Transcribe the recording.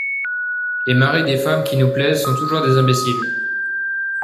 Les maris des femmes qui nous plaisent sont toujours des imbéciles.